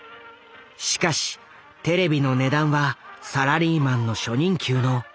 しかしテレビの値段はサラリーマンの初任給の２０倍以上。